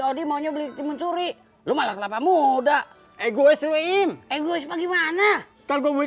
odi maunya beli timun suri rumah kelapa muda egois wm egois bagaimana kalau gua